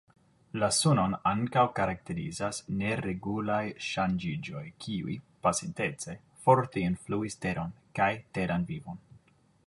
La Sunon ankaŭ karakterizas neregulaj ŝanĝiĝoj kiuj, pasintece, forte influis Teron kaj teran vivon.